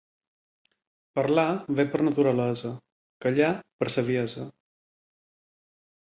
Parlar ve per naturalesa, callar per saviesa.